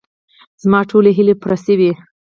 زما ټولې هیلې پوره شوې.